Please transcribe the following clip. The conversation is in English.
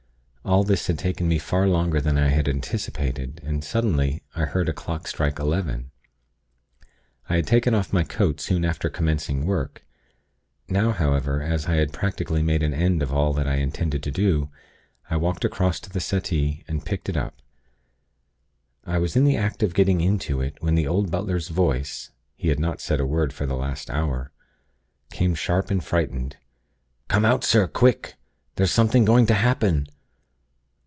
All this had taken me far longer than I had anticipated; and, suddenly, I heard a clock strike eleven. I had taken off my coat soon after commencing work; now, however, as I had practically made an end of all that I intended to do, I walked across to the settee, and picked it up. I was in the act of getting into it, when the old butler's voice (he had not said a word for the last hour) came sharp and frightened: 'Come out, sir, quick! There's something going to happen!'